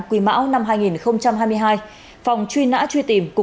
quỳ mão năm hai nghìn hai mươi hai